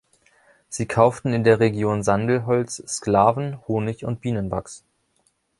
Sie kauften in der Region Sandelholz, Sklaven, Honig und Bienenwachs.